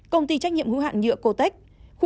công ty trách nhiệm hữu hạn nhựa cotech